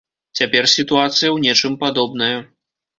Цяпер сітуацыя ў нечым падобная.